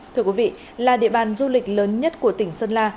thưa quý vị là địa bàn du lịch lớn nhất của tỉnh sơn la